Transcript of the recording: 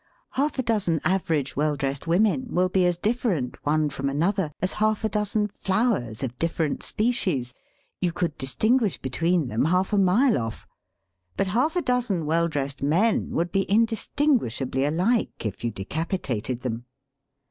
Half a THE MEANING OF FROCKS 86 dozen average weE dressed women will be as dif ferent one from another as half a dozen flowers of different species ; you could distinguish between them half a mile off. But half a dozen well dressed men would be indistinguishably alike if you decapitated them.